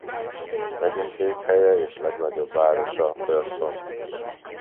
Megyeszékhelye és legnagyobb városa Pearson.